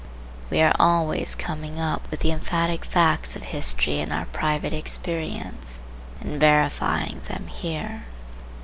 We are always coming up with the emphatic facts of history in our private experience and verifying them here.